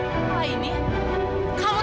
satu dua tiga empat